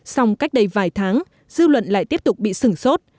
song cách đây vài tháng dư luận lại tiếp tục bị sửng sốt